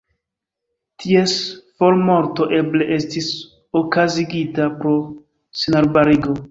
Ties formorto eble estis okazigita pro senarbarigo.